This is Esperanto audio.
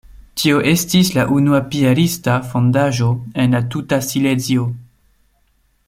Tio estis la unua piarista fondaĵo en la tuta Silezio.